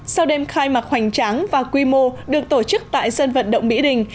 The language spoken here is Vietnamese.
sau đêm khai mạc hoành tráng và quy mô được tổ chức tại sân vận động mỹ đình